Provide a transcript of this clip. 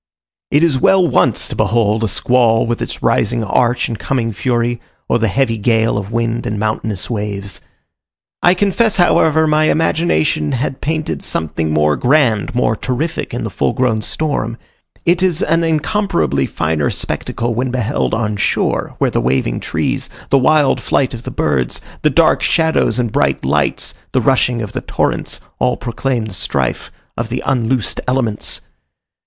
It is well once to behold a squall with its rising arch and coming fury, or the heavy gale of wind and mountainous waves. I confess, however, my imagination had painted something more grand, more terrific in the full grown storm. It is an incomparably finer spectacle when beheld on shore, where the waving trees, the wild flight of the birds, the dark shadows and bright lights, the rushing of the torrents all proclaim the strife of the unloosed elements.